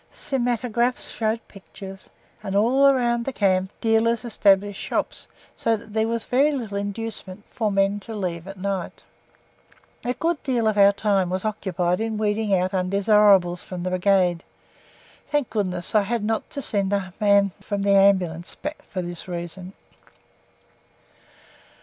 Cinematographs showed pictures, and all round the camp dealers established shops, so that there was very little inducement for men to leave at night. A good deal of our time was occupied in weeding out undesirables from the Brigade. Thank goodness, I had not to send a man from the Ambulance back for this reason.